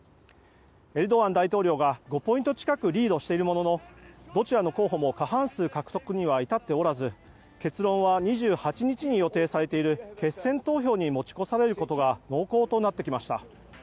エルドアン大統領が５ポイント近くリードしているもののどちらの候補も過半数獲得には至っておらず結論は２８日に予定されている決選投票に持ち込まれる可能性が濃厚になってきました。